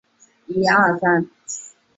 黑臀泽蛭为舌蛭科泽蛭属下的一个种。